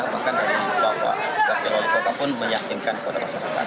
bahkan dari bapak bapak bapak pun menyakinkan kepada pasien pasien